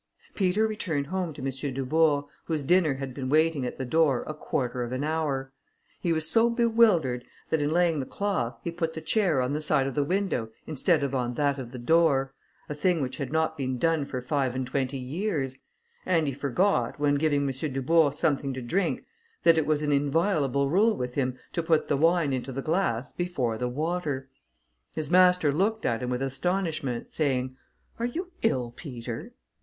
Peter returned home to M. Dubourg, whose dinner had been waiting at the door a quarter of an hour. He was so bewildered, that in laying the cloth, he put the chair on the side of the window instead of on that of the door, a thing which had not been done for five and twenty years; and he forgot, when giving M. Dubourg something to drink, that it was an inviolable rule with him to put the wine into the glass before the water. His master looked at him with astonishment, saying, "Are you ill, Peter?"